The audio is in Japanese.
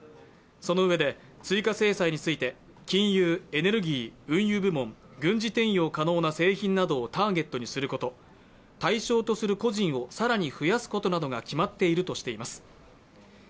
そのうえで、追加制裁について金融、エネルギー運輸部門、軍事転用可能な製品などをターゲットとすること、対象とする個人を更に増やすことなどが決まっているとしています。